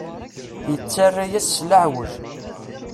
Yettarra-yas s leɛweǧ.